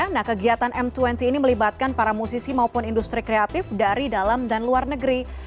nah kegiatan m dua puluh ini melibatkan para musisi maupun industri kreatif dari dalam dan luar negeri